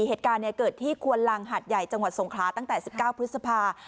เหตุการณ์เกิดที่ควนลังหาดใหญ่จังหวัดสงขลาตั้งแต่๑๙พฤษภา